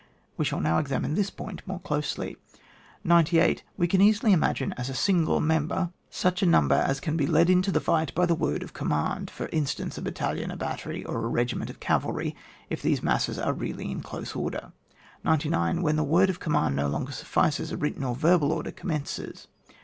We shall now examine this point more closely. 98. We can easily imagine as a eingU member^ such a number as can be led into the fight by the word of command: for instance, a battalion, a battery, or a regiment of cavalry, if these masses are really in close order. 99. When the Word of command no longer suffices, a written or verbal Order commences.